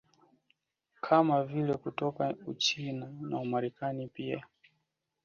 Kama vile kutoka Uchina na Marekani pia